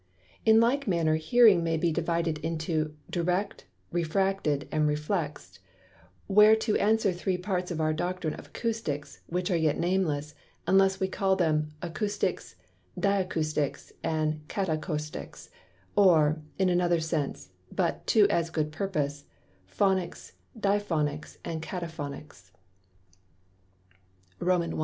In like manner Hearing may be divided into Direct, Refracted and Reflex'd; whereto answer three parts of our Doctrine of Acousticks, which are yet nameless, unless we call them Acousticks, Diacousticks, and Catacousticks, or (in another Sense, but to as good Purpose) Phonicks, Diaphonicks, and Cataphonicks. I.